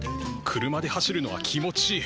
車で走るのは気持ちいい。